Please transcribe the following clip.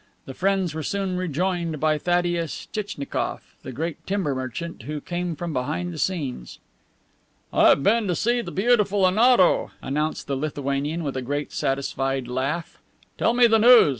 The friends were soon rejoined by Thaddeus Tchitchnikoff, the great timber merchant, who came from behind the scenes. "I have been to see the beautiful Onoto," announced the Lithuanian with a great satisfied laugh. "Tell me the news.